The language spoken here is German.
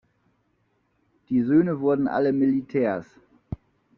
Die Söhne wurden alle Militärs.